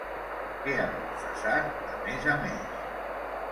Què ha confessat, a més a més?